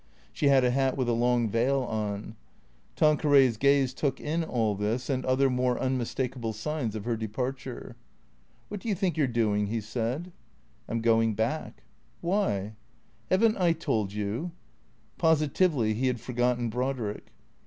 She had a hat with a long veil on. Tanqueray's gaze took in all this and other more unmistakable signs of her departure. " What do you think you 're doing ?" he said. " I 'm going back." "Why?" "Haven't I told you?" Positively he had forgotten Brodrick.